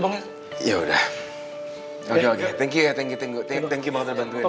bang ya ya udah oke oke thank you ya thank you thank you banget udah bantuin